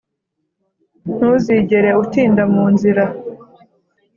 ntuzigere utinda mu nzira